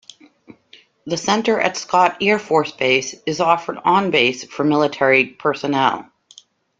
The Center at Scott Air Force Base is offered on-base for military personnel.